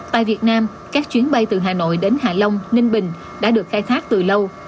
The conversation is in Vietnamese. tại việt nam các chuyến bay từ hà nội đến hạ long ninh bình đã được khai thác từ lâu